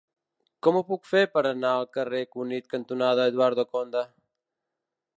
Com ho puc fer per anar al carrer Cunit cantonada Eduardo Conde?